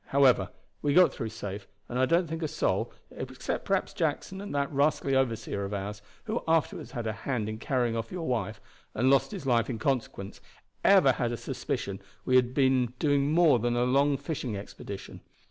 However, we got through safe, and I don't think a soul, except perhaps Jackson and that rascally overseer of ours, who afterward had a hand in carrying off your wife, and lost his life in consequence, ever had a suspicion we had been doing more than a long fishing expedition.